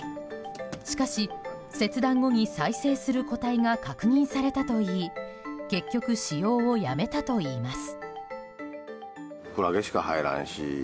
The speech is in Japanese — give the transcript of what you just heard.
しかし、切断後に再生する個体が確認されたといい結局使用をやめたといいます。